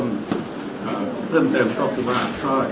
ยังมีผู้ที่สาธารณะจะมาทำงานร่วมกับพักษณ์